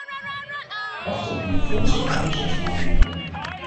Wachten op nieuwe fondsen kan wel zes maanden duren.